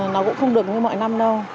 nó cũng không được như mọi năm đâu